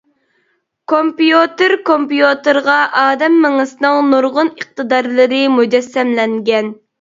كومپيۇتېر كومپيۇتېرغا ئادەم مېڭىسىنىڭ نۇرغۇن ئىقتىدارلىرى مۇجەسسەملەنگەن.